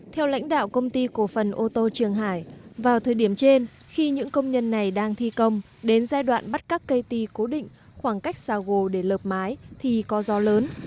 theo lãnh đạo công ty cổ phần ô tô trường hải vào thời điểm trên khi những công nhân này đang thi công đến giai đoạn bắt các cây ti cố định khoảng cách xa gồ để lợp mái thì có gió lớn